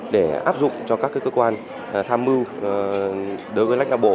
để áp dụng cho các cơ quan tham mưu đối với lãnh đạo bộ